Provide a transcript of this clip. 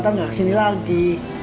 nggak ke sini lagi